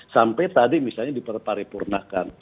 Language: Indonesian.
sampai tadi misalnya diperparipurnakan